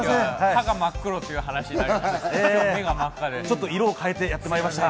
歯が真っ黒という話になりました。